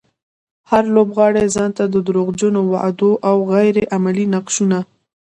هر لوبغاړی ځانته د دروغجنو وعدو او غير عملي نقشونه.